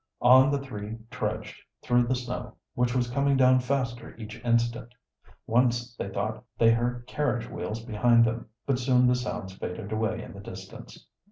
On the three trudged, through the snow, which was coming down faster each instant. Once they thought they heard carriage wheels behind them, but soon the sounds faded away in the distance.